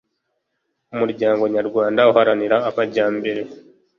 umuryango nyarwanda uharanira amajyambere